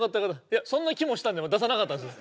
いやそんな気もしたんで出さなかったんです。